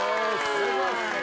お願いします